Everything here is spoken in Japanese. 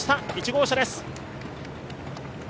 １号車です。